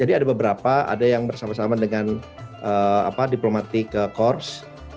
jadi ada beberapa ada yang bersama sama dengan diplomatic course